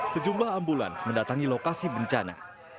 sejumlah ambulans mendatangi lokasi bencana